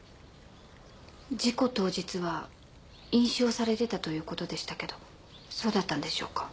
事故当日は飲酒をされてたということでしたけどそうだったんでしょうか？